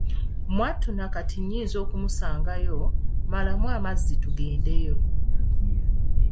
Mwattu na kati nnyinza okumusanga yo, malamu amazzi tugendeyo."